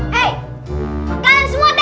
hei kalian semua dengar